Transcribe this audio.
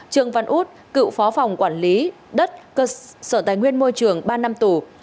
trương văn út cựu phó phòng quản lý đất cơ sở tài nguyên môi trường ba năm tù